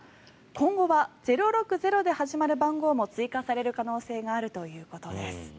今後は０６０で始まる番号も追加される可能性があるということです。